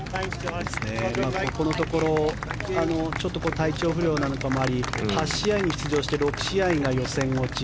ここのところ体調不良なんかもあり８試合に出場して６試合が予選落ち。